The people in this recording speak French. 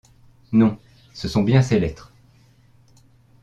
Non ! ce sont bien ces lettres !